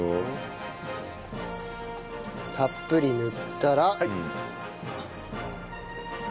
たっぷり塗ったら。